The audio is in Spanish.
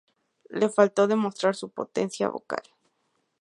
Le faltó demostrar su potencia vocal.